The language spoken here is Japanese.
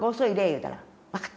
言うたら「分かった」